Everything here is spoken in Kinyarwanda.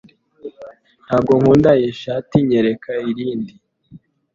Ntabwo nkunda iyi shati. Nyereka irindi.